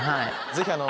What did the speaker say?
ぜひあの。